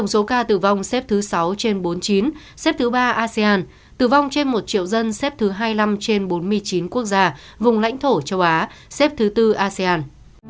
số ca tử vong xếp thứ sáu trên bốn mươi chín xếp thứ ba asean tử vong trên một triệu dân xếp thứ hai mươi năm trên bốn mươi chín quốc gia vùng lãnh thổ châu á xếp thứ tư asean